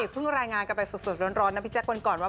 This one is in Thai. เพิ่งรายงานกันไปสดร้อนนะพี่แจ๊ควันก่อนว่า